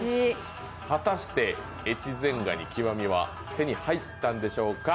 果たして、越前がに極は手に入ったんでしょうか。